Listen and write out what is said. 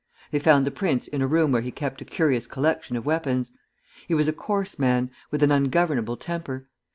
They found the prince in a room where he kept a curious collection of weapons. He was a coarse man, with an ungovernable temper.